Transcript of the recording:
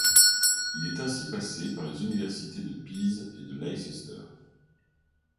Il est ainsi passé par les universités de Pise et de Leicester.